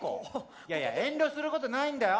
いやいや遠慮することないんだよ。